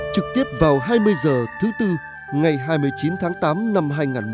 trực tiếp vào hai mươi h thứ tư ngày hai mươi chín tháng tám năm hai nghìn một mươi chín